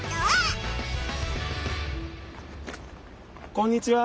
こんにちは！